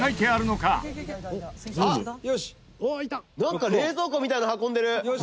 「なんか冷蔵庫みたいなの、運んでる」